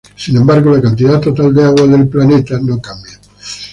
Sin embargo, la cantidad total de agua en el planeta no cambia.